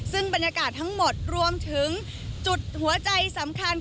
ซึ่งบรรยากาศทั้งหมดรวมถึงจุดหัวใจสำคัญ